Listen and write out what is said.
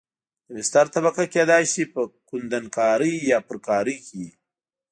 د بستر طبقه کېدای شي په کندنکارۍ یا پرکارۍ کې وي